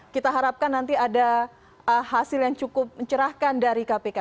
kita harapkan nanti ada hasil yang cukup mencerahkan dari kpk